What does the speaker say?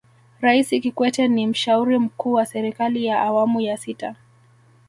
raisi kikwete ni mshauri mkuu wa serikali ya awamu ya sita